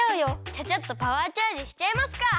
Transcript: ちゃちゃっとパワーチャージしちゃいますか！